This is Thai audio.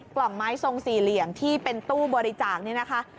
กล่องไม้ทรงสี่เหลี่ยมที่เป็นตู้บริจาคนี่นะคะ